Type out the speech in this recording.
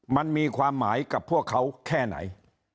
มันมีความหมายกับพวกเขาแค่ไหน